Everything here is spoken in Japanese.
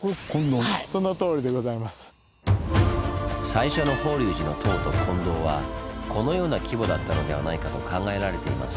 最初の法隆寺の塔と金堂はこのような規模だったのではないかと考えられています。